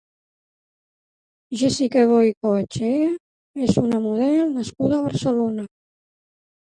Jessica Goicoechea és una model nascuda a Barcelona.